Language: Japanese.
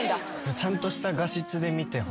ちゃんとした画質で見てほしいです。